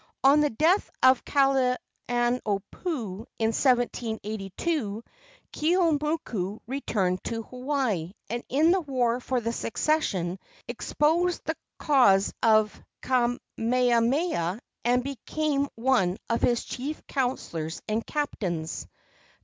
On the death of Kalaniopuu, in 1782, Keeaumoku returned to Hawaii, and in the war for the succession espoused the cause of Kamehameha and became one of his chief counselors and captains.